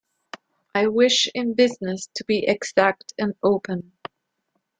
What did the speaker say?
I wish in business to be exact and open.